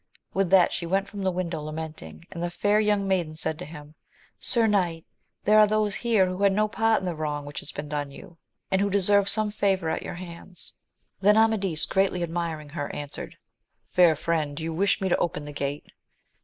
With that she went from the window lamenting, and the fair young maiden said to him, Sir knight, there are those here who had no part in the wrong which has been done you, and who deserve some favour at your hands. Then Amadis greatly admiring her, answered, Fair friend, do you wish me to open the gate